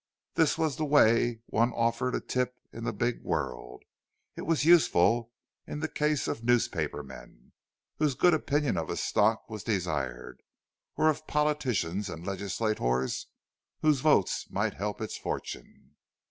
This was the way one offered a tip in the big world; it was useful in the case of newspaper men, whose good opinion of a stock was desired, or of politicians and legislators, whose votes might help its fortunes.